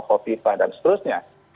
kofifah dan seterusnya